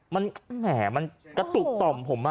มันแหมมันกระตุกต่อมผม